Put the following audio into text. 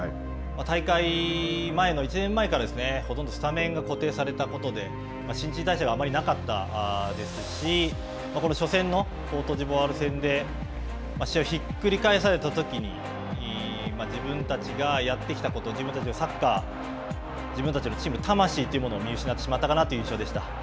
大会前の１年前からほとんどスタメンが固定されたことで、新陳代謝があまりなかったし、この初戦のコートジボワール戦で試合をひっくり返されたときに、自分たちがやってきたこと、自分たちのサッカー、自分たちのチーム、魂というものを見失ってしまったかなという印象でした。